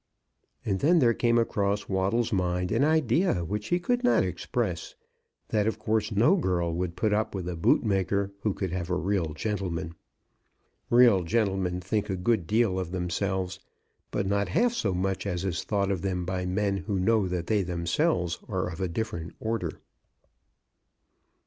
And then there came across Waddle's mind an idea which he could not express, that of course no girl would put up with a bootmaker who could have a real gentleman. Real gentlemen think a good deal of themselves, but not half so much as is thought of them by men who know that they themselves are of a different order.